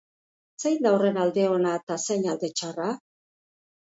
Zein da horren alde ona eta zein alde txarra?